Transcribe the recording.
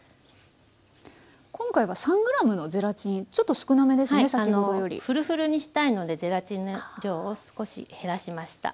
今回は３ｇのゼラチンちょっと少なめですね先ほどより。フルフルにしたいのでゼラチンの量を少し減らしました。